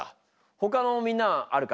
ほかのみんなあるか？